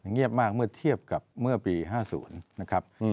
เงียบมากเมื่อเทียบกับเมื่อปี๕๐นะครับ